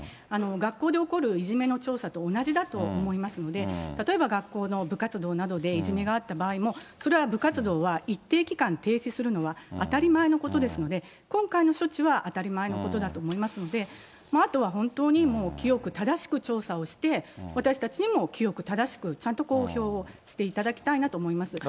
学校で起こるいじめの調査と同じだと思いますので、例えば学校の部活動などでいじめがあった場合も、それは部活動は、一定期間停止するのは当たり前のことですので、今回の処置は当たり前のことだと思いますので、あとは本当にもう清く正しく調査をして、私たちにも清く正しく、ちゃんと公表をしていただきたいなと思います。